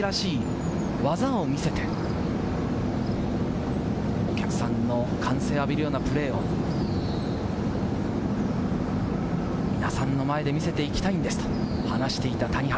男子ツアーを盛り上げるために、男子らしい技を見せて、お客さんの歓声をあびるようなプレーを、皆さんの前で見せていきたいんですと話していた谷原。